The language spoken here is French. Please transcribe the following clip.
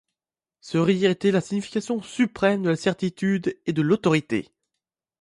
Ce rire était la signification suprême de la certitude et de l'autorité.